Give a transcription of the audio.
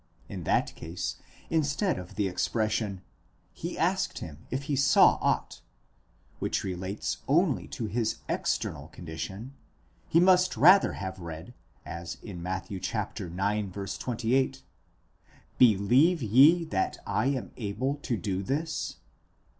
In that case, instead of the ex pression, He asked him if he saw aught, which relates only to his external con dition, we must rather have read, as in Matt. ix. 28, Believe ye that Iam able to do this?